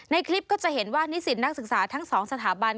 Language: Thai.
คลิปก็จะเห็นว่านิสิตนักศึกษาทั้งสองสถาบัน